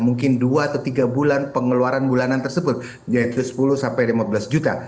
mungkin dua atau tiga bulan pengeluaran bulanan tersebut yaitu sepuluh sampai lima belas juta